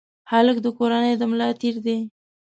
هلک د کورنۍ د ملا تیر دی.